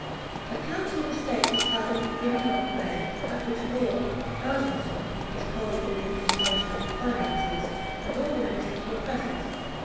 A council of state was held in the beginning of May, at which Law, D'Argenson (his colleague in the administration of the finances), and all the ministers were present.